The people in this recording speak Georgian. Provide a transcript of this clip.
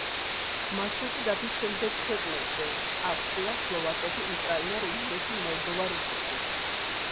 მარშრუტი გადის შემდეგ ქვეყნებზე: ავსტრია, სლოვაკეთი, უკრაინა, რუმინეთი, მოლდოვა, რუსეთი.